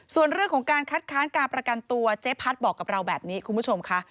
ส่วนเรื่องของการคัดค้านการประกันตัวเจ๊พัดบอกกับเราแบบนี้คุณผู้ชมค่ะ